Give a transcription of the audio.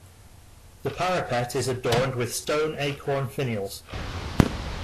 The parapet is adorned with stone acorn finials.